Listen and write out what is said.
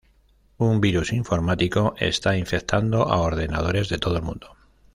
Un virus informático está infectando a ordenadores de todo el mundo.